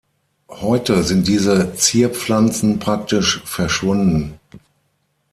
Heute sind diese Zierpflanzen praktisch verschwunden.